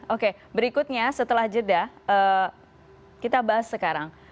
oke berikutnya setelah jeda kita bahas sekarang